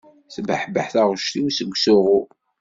Tebbeḥbeḥ taɣect-iw seg usuɣu.